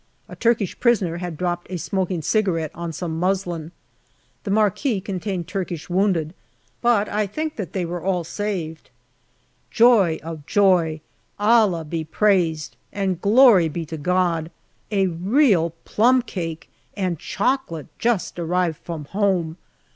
A Turkish prisoner had dropped a smoking cigarette on some muslin. The marquee contained Turkish wounded, but I think that they were all saved. Joy of joy ! Allah be praised ! and glory be to God ! a real plum cake and chocolate just arrived from home.